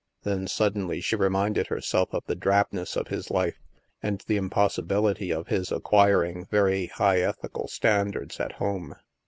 Then suddenly, she reminded herself of the drabness of his life, and the impossibility of his acquiring very high ethical standards at home.